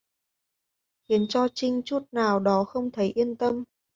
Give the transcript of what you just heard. Khiến cho trinh chút nào đó không thấy yên tâm